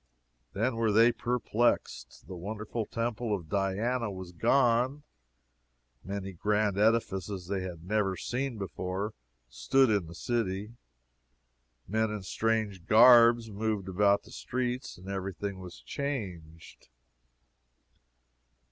Then were they perplexed. The wonderful temple of Diana was gone; many grand edifices they had never seen before stood in the city; men in strange garbs moved about the streets, and every thing was changed.